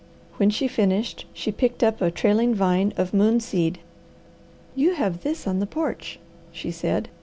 When she finished she picked up a trailing vine of moonseed. "You have this on the porch," she said.